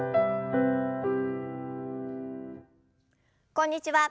こんにちは